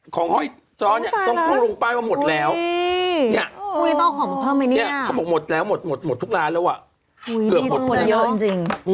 ของห้อยจ้อเนี่ยต้องลงป้ายว่าหมดแล้วเนี่ยเขาบอกหมดแล้วหมดหมดหมดทุกร้านแล้วอ่ะเกือบหมดหมดเยอะจริง